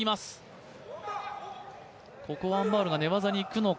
ここはアン・バウルが寝技にいくのか。